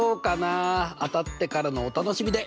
当たってからのお楽しみで！